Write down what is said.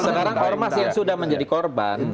sekarang ormas yang sudah menjadi korban